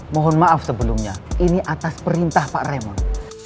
mohon maaf sebelumnya ini atas perintah pak remo